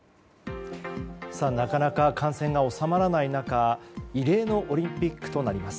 なかなか感染が収まらない中異例のオリンピックとなります。